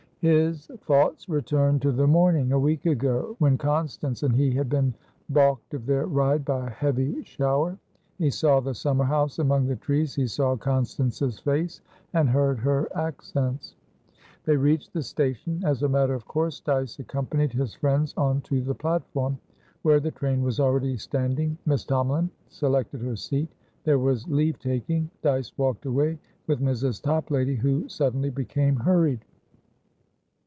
His thoughts returned to the morning, a week ago, when Constance and he had been balked of their ride by a heavy shower. He saw the summer house among the trees; he saw Constance's face, and heard her accents. They reached the station. As a matter of course, Dyce accompanied his friends on to the platform, where the train was already standing. Miss Tomalin selected her seat. There was leave taking. Dyce walked away with Mrs. Toplady, who suddenly became hurried.